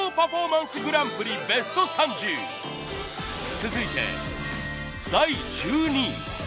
続いて第１２位。